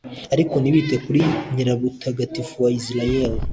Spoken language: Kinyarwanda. ariko ntibite kuri Nyirubutagatifu wa Israheli,